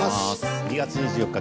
２月２４日